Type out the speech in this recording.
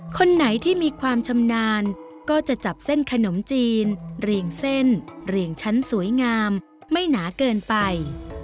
คนไหนที่มีความชำนาญก็จะจับเส้นขนมจีนเรียงเส้นเรียงชั้นสวยงามไม่หนาเกินไป